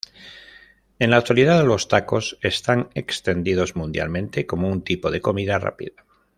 En la actualidad los tacos están extendidos mundialmente como un tipo de comida rápida.